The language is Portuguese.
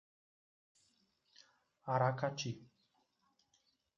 Aracati